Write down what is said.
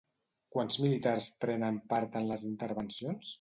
Quants militars prenen part en les intervencions?